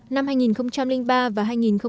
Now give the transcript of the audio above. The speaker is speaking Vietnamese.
năm hai nghìn ba và hai nghìn bốn